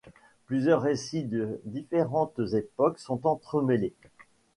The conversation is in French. Plusieurs récits de différentes époques sont entremêlés.